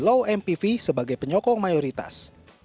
sebenarnya segmen mpv sebagai penyokong mayoritas